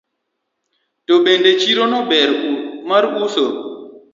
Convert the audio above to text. To bende chirono ber mar uso.